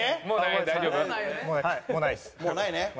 もうないね？